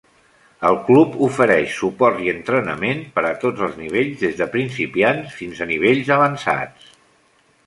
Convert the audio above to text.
El club ofereix suport i entrenament per a tots els nivells, des de principiants fins a nivells avançats.